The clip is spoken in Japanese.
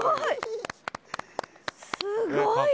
すごい。